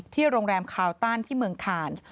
ที่โรงแรมคาวต้านที่เมืองข่าน